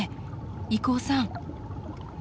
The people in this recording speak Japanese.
征夫さん。